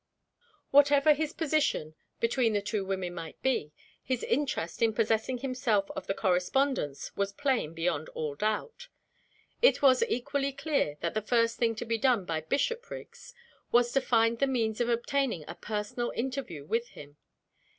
Whatever his position between the two women might be, his interest in possessing himself of the correspondence was plain beyond all doubt. It was equally clear that the first thing to be done by Bishopriggs was to find the means of obtaining a personal interview with him.